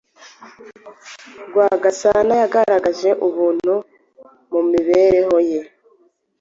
Rwagasana yagaragaje ubumuntu mu mibereho ye,